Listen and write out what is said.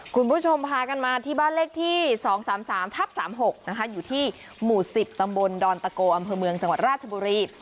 คุณผู้ชมพากันมาที่บ้านเลขที่๒๓๓ทับ๓๖นะคะอยู่ที่หมู่๑๐ตำบลดอนตะโกอำเภอเมืองจังหวัดราชบุรี